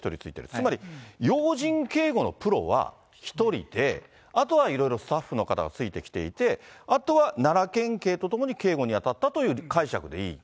つまり、要人警護のプロは、１人で、あとはいろいろ、スタッフの方がついてきていて、あとは奈良県警と共に警護に当たったという解釈でいい？